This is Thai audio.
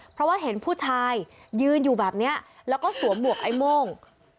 เพราะว่าเห็นผู้ชายยืนอยู่แบบนี้แล้วก็สวมหมวกไอ้โม่ง